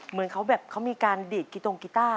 เหมือนเขาแบบเขามีการดีดกีตรงกีต้า